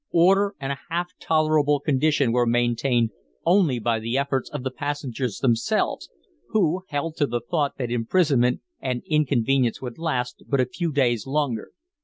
Order and a half tolerable condition were maintained only by the efforts of the passengers themselves, who held to the thought that imprisonment and inconvenience would last but a few days longer.